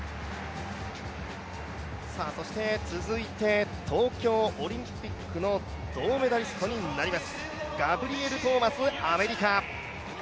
続いて、東京オリンピックの銅メダリストになります、ガブリエル・トーマスアメリカ。